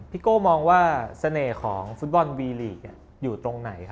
โก้มองว่าเสน่ห์ของฟุตบอลวีลีกอยู่ตรงไหน